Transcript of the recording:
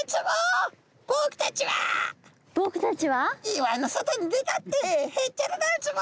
「岩の外に出たってへっちゃらだウツボ！」。